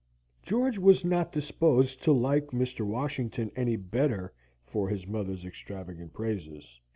George was not disposed to like Mr. Washington any better for his mother's extravagant praises.